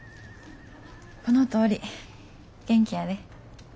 このとおり元気やで。